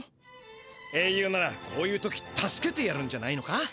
えいゆうならこういう時助けてやるんじゃないのか？